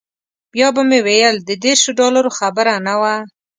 بیا به مې ویل د دیرشو ډالرو خبره نه وه.